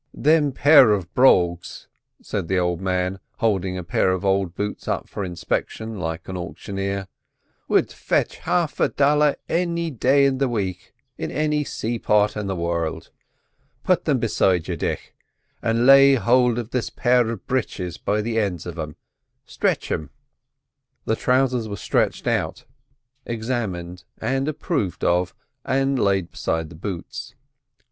"Thim pair of brogues," said the old man, holding a pair of old boots up for inspection like an auctioneer, "would fetch half a dollar any day in the wake in any sayport in the world. Put them beside you, Dick, and lay hold of this pair of britches by the ends of em'—stritch them." The trousers were stretched out, examined and approved of, and laid beside the boots.